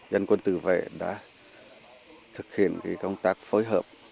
dân quân tự vệ đã thực hiện công tác phối hợp